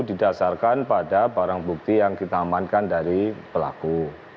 didasarkan pada barang bukti yang kita amankan dari pelaku